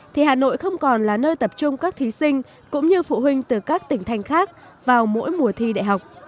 thì hà nội không còn là nơi tập trung các thí sinh cũng như phụ huynh từ các tỉnh thành khác vào mỗi mùa thi đại học